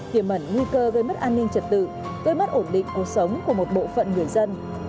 tiềm ẩn nguy cơ gây mất an ninh trật tự gây mất ổn định cuộc sống của một bộ phận người dân